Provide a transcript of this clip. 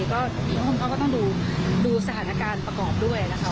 คุณพ่อก็ต้องดูสถานการณ์ประกอบด้วยนะคะ